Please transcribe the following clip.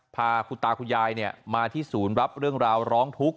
พาคุณตาคุณยายมาที่ศูนย์รับเรื่องราวร้องทุกข์